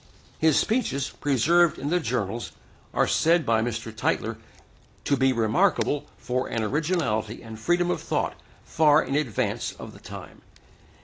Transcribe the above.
His speeches, preserved in the Journals, are said by Mr. Tytler to be remarkable for an originality and freedom of thought far in advance of the time.